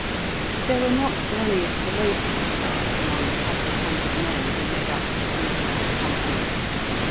There were not many of the labouring class among the couple of hundred men who made up this miserable company.